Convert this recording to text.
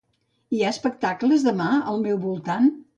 Hi ha espectacles demà al meu voltant?